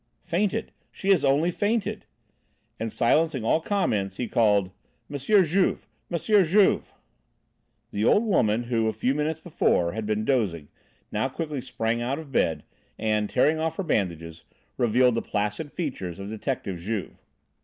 "Fainted, she has only fainted!" And, silencing all comments, he called: "Monsieur Juve! Monsieur Juve!" The old woman who, a few moments before, had been dozing, now quickly sprang out of bed, and, tearing off her bandages, revealed the placid features of detective Juve.